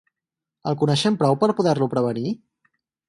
El coneixem prou per poder-lo prevenir?